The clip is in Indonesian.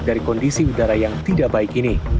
dari kondisi udara yang tidak baik ini